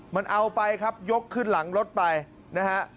มันเอาไปครับยกขึ้นหลังรถไปนะฮะ